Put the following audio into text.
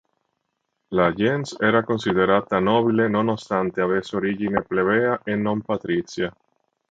La gens era considerata nobile nonostante avesse origine plebea e non patrizia.